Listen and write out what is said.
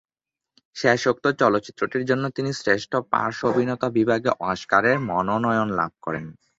শেষোক্ত চলচ্চিত্রটির জন্য তিনি শ্রেষ্ঠ পার্শ্ব অভিনেতা বিভাগে অস্কারের মনোনয়ন লাভ করেন।